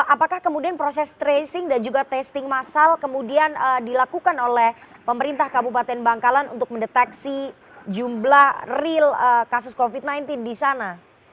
apakah kemudian proses tracing dan juga testing masal kemudian dilakukan oleh pemerintah kabupaten bangkalan untuk mendeteksi jumlah real kasus covid sembilan belas di sana